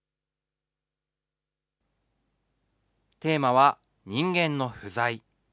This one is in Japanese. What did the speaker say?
テーマは人間の不在。